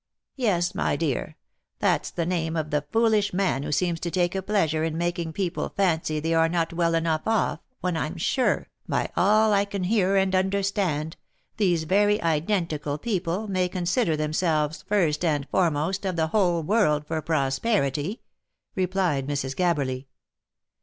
" Yes, my dear, that's the name of the foolish man who seems to take a pleasure in making people fancy they are not well enough off", when I'm sure, by all I can hear and understand, these very identical people may consider themselves first and foremost of the whole world for prosperity," replied Mrs. Gabberly.